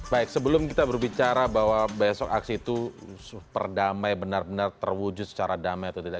baik sebelum kita berbicara bahwa besok aksi itu super damai benar benar terwujud secara damai atau tidak